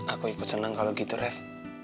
aku ikut seneng kalau gitu ref